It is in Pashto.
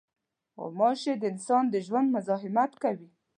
غوماشې د انسان د ژوند مزاحمت کوي.